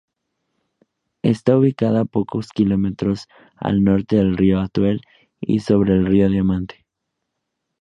Está ubicada pocos kilómetros al norte del río Atuel, y sobre el río Diamante.